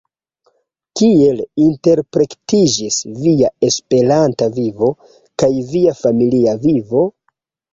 Kiel interplektiĝis via Esperanta vivo kaj via familia vivo?